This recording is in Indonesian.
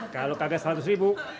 kalau kaget seratus ribu